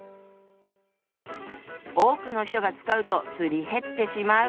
多くの人が使うとすり減ってしまう。